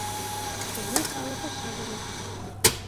Тений калык осал улыт -